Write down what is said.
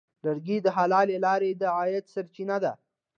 لرګی د حلالې لارې د عاید سرچینه ده.